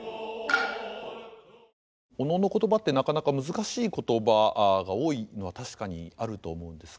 お能の言葉ってなかなか難しい言葉が多いのは確かにあると思うんですけれども。